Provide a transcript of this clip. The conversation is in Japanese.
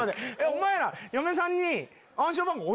お前ら嫁さんに。